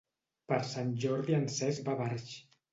Per Sant Jordi en Cesc va a Barx.